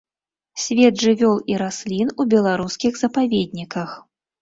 Свет жывёл і раслін у беларускіх запаведніках.